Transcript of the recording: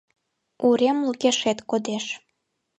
Урем лукешет кодеш.